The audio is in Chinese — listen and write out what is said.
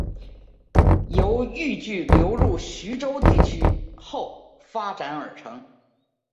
由豫剧流入徐州地区后发展而成。